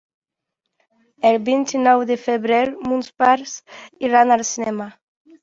El vint-i-nou de febrer mons pares iran al cinema.